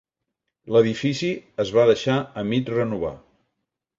L'edifici es va deixar a mig renovar.